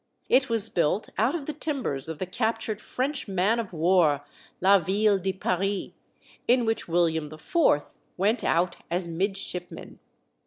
It was built out of the timbers of the captured French man of war, La Ville de Paris, in which William IV. went out as midshipman.